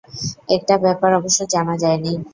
একটা ব্যাপার অবশ্য জানা যায়নি।